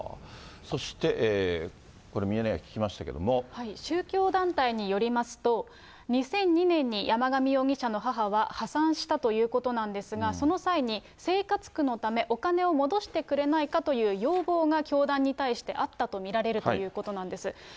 そしてこれ、宗教団体によりますと、２００２年に山上容疑者の母は破産したということなんですが、その際に、生活苦のため、お金を戻してくれないかという要望が教団に対してあったと見られるということなんです。